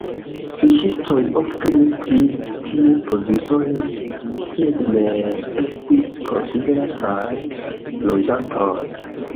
Fiŝistoj ofte restis tie provizore, sed ne estis konsiderataj loĝantoj.